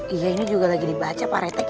iya ini juga lagi dibaca pak retek